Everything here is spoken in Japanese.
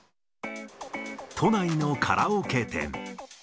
都内のカラオケ店。